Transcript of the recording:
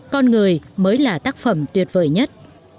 con người mới là tác phẩm tuyệt vời nhất